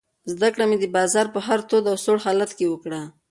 زده کړه مې د بازار په هر تود او سوړ حالت کې وکړه.